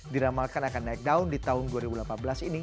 diramalkan akan naik down di tahun dua ribu delapan belas ini